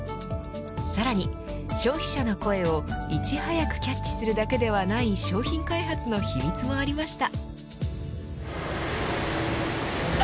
さらに消費者の声をいち早くキャッチするだけではない商品開発の秘密もありました。